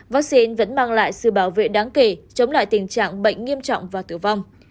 vaccine vẫn mang lại sự bảo vệ đáng kể chống lại tình trạng bệnh nghiêm trọng và tử vong